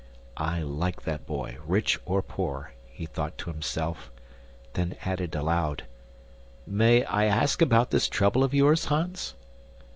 I like that boy, rich or poor, he thought to himself, then added aloud, "May I ask about this trouble of yours, Hans?"